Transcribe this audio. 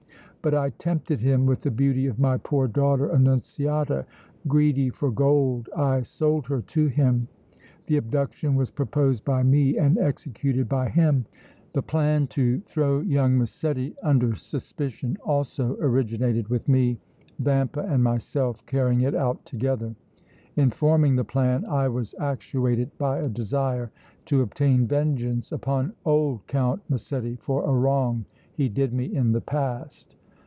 But I tempted him with the beauty of my poor daughter Annunziata! Greedy for gold I sold her to him! The abduction was proposed by me and executed by him! The plan to throw young Massetti under suspicion also originated with me, Vampa and myself carrying it out together. In forming the plan I was actuated by a desire to obtain vengeance upon old Count Massetti for a wrong he did me in the past!